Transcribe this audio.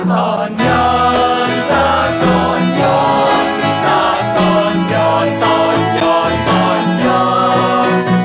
ตอนย้อนตาตอนย้อนตาตอนย้อนตอนย้อนตอนย้อน